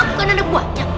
bukan ada buahnya